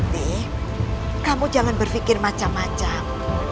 dek kamu jangan berpikir macam macam